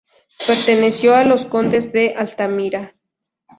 Perteneció a los condes de Altamira.